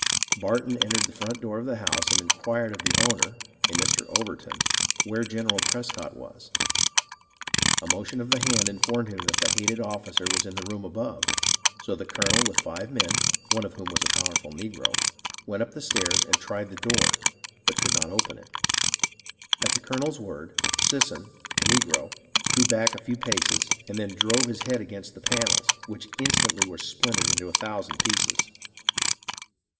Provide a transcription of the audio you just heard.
Barton entered the front door of the house and inquired of the owner (a Mr. Overton) where General Prescott was. A motion of the hand informed him that the hated officer was in the room above ; so the colonel with five men (one of whom was a powerful negro) went up the stairs and tried the door, but could not open it. At the colonel's word, Sisson, the negro, drew back a few paces, and then drove his head against the panels, which instantly were splintered into a thousand pieces.